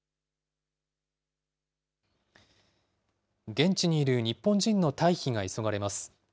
現地にいる日本人の退避が急がれます。